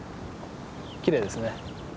きれいですね。